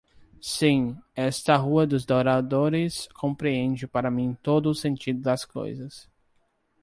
Sim, esta Rua dos Douradores compreende para mim todo o sentido das coisas